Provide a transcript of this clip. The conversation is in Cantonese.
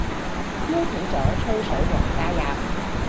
邀請咗吹水王加入